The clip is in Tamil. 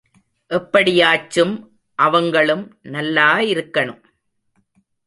எப்படியாச்சும் அவங்களும் நல்லா இருக்கணும்.